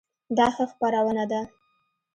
دا ښه خپرونه ده؟